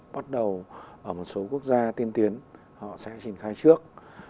bắt đầu ở một số quốc gia tiên tiến họ sẽ triển khai trước